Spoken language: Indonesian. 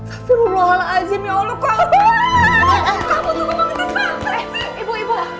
alhamdulillah azim ya allah kamu